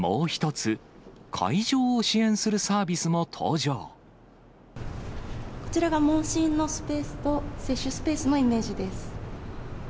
もう一つ、こちらが問診のスペースと、接種スペースのイメージです。